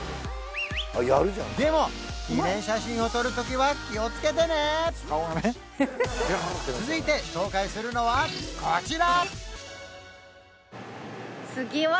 でも記念写真を撮るときは気をつけてね続いて紹介するのはこちら！